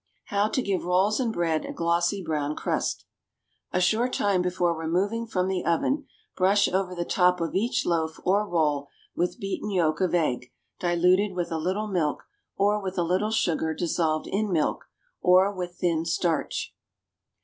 =How to Give Rolls and Bread a Glossy, Brown Crust.= A short time before removing from the oven, brush over the top of each loaf or roll with beaten yolk of egg, diluted with a little milk, or with a little sugar dissolved in milk, or with thin starch.